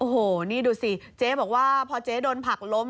โอ้โหนี่ดูสิเจ๊บอกว่าพอเจ๊โดนผักล้ม